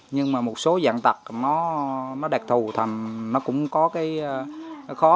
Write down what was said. nhưng mà một số dạng tật nó đặc thù thành nó cũng có cái khó